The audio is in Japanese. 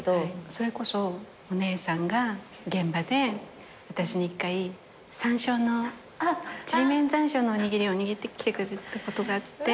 それこそお姉さんが現場で私に１回ちりめんざんしょうのおにぎりを握ってきてくれたことがあって。